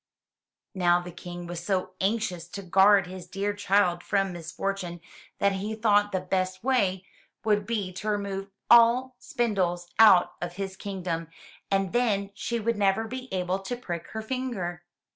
*' Now the King was so anxious to guard his dear child from misfortune that he thought the best way would be to remove all 26 THROUGH FAIRY HALLS spindles out of his kingdom, and then she would never be able to prick her finger.